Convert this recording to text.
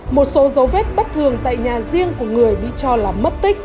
một số dấu vết bất thường tại nhà riêng của người bị cho là mất tích